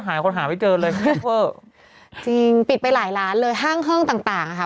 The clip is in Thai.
หลายร้านเลยห้างเครื่องต่างอ่ะค่ะ